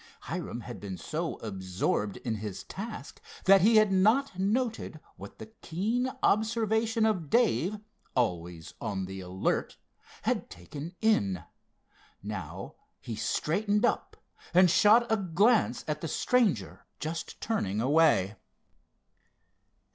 Hiram had been so absorbed in his task that he had not noted what the keen observation of Dave, always on the alert, had taken in. Now he straightened up and shot a glance at the stranger, just turning away.